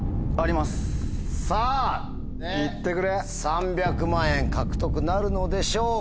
３００万円獲得なるのでしょうか？